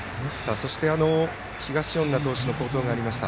東恩納投手の好投がありました。